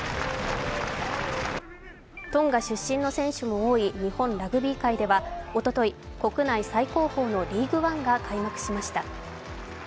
トンガ出身の選手も多い日本ラグビー界ではおととい、国内最高峰のリーグワンが開幕しました。